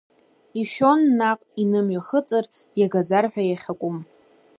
Ишәон наҟ инымҩахыҵыр, иагаӡар ҳәа иахьакәым.